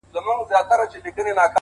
لوڅ لپړ توره تر ملا شمله یې جګه٫